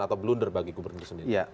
atau blunder bagi gubernur sendiri